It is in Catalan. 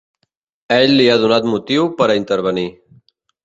Ell li ha donat motiu per a intervenir.